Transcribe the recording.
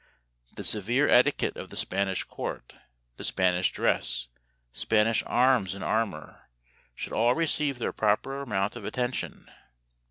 The severe etiquette of the Spanish court, the Spanish dress, Spanish arms and armor, should all receive their proper amount of attention.